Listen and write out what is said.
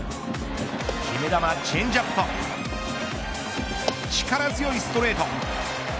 決め球チェンジアップと力強いストレート